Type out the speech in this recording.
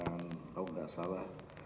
kalau enggak salah